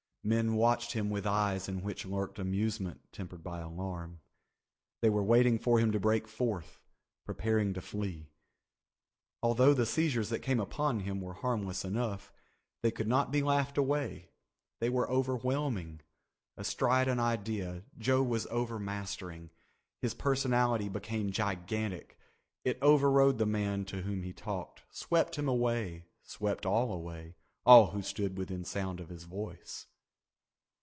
Men watched him with eyes in which lurked amusement tempered by alarm. They were waiting for him to break forth, preparing to flee. Although the seizures that came upon him were harmless enough, they could not be laughed away. They were overwhelming. Astride an idea, Joe was overmastering. His personality became gigantic. It overrode the man to whom he talked, swept him away, swept all away, all who stood within sound of his voice.